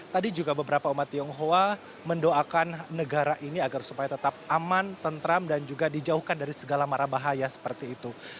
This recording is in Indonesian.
tadi juga beberapa umat tionghoa mendoakan negara ini agar supaya tetap aman tentram dan juga dijauhkan dari segala mara bahaya seperti itu